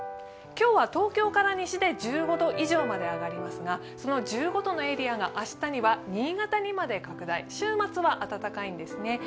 今日は東京から西で１５度以上まで上がりますがその１５度のエリアが明日には新潟にまで拡大、週末は暖かいんですね。